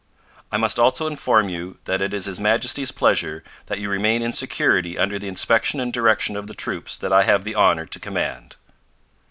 I must also inform you that it is His Majesty's pleasure that you remain in security under the inspection and direction of the troops that I have the honour to command.